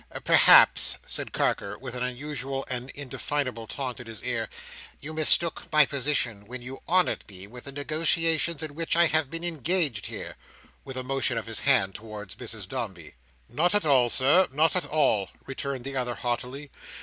"Perhaps," said Carker, with an unusual and indefinable taunt in his air, "you mistook my position, when you honoured me with the negotiations in which I have been engaged here"—with a motion of his hand towards Mrs Dombey. "Not at all, Sir, not at all," returned the other haughtily.